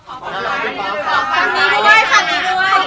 อันนั้นจะเป็นภูมิแบบเมื่อ